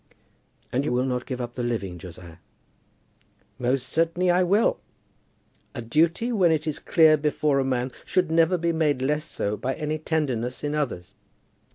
"And you will not give up the living, Josiah?" "Most certainly I will. A duty, when it is clear before a man, should never be made less so by any tenderness in others."